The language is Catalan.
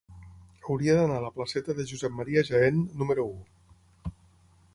Hauria d'anar a la placeta de Josep Ma. Jaén número u.